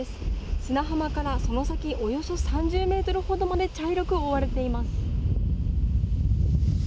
砂浜からその先およそ３０メートルほどまで茶色く覆われています。